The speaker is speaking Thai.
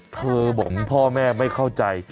เธอบอกพ่อแม่ไม่เข้าใจ